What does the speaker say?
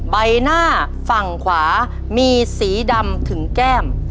ใบหน้าฝั่งขวามีสีดำถึงแก้ม